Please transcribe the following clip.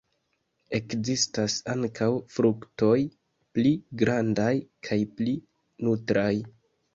Ekzistas ankaŭ fruktoj pli grandaj kaj pli nutraj.